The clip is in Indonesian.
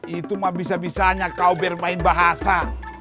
itu mah bisa bisanya kau bermain bahasa